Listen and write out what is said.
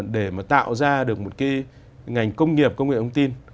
để mà tạo ra được một cái ngành công nghiệp công nghệ thông tin